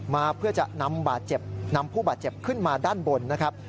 มาเพื่อจะนำผู้บาดเจ็บขึ้นมาด้านบนนะครับ